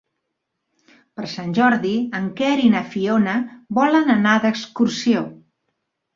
Per Sant Jordi en Quer i na Fiona volen anar d'excursió.